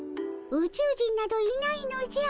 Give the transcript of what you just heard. ウチュウ人などいないのじゃ。